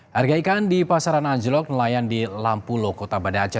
harga ikan di pasaran anjlok nelayan di lampulo kota banda aceh